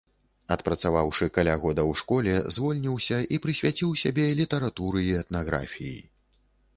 Адпрацаваўшы каля года ў школе, звольніўся і прысвяціў сябе літаратуры і этнаграфіі.